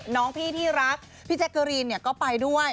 น้องพี่ที่รักพี่แจ๊กเกอรีนก็ไปด้วย